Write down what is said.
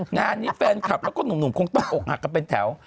งานนี้แฟนคลับแล้วก็หนุ่มคงต้องอกหักกันเป็นแถว